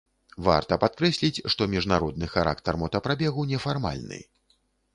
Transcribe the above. Варта падкрэсліць, што міжнародны характар мотапрабегу не фармальны.